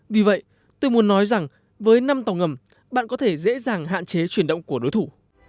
vì vậy tôi muốn nói rằng với năm tàu ngầm bạn có thể dễ dàng hạn chế chuyển động của đối thủ